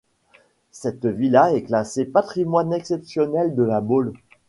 Cette villa est classée patrimoine exceptionnel de La Baule.